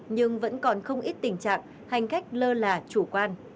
nhưng vẫn còn không ít tình trạng hành khách lơ là chủ quan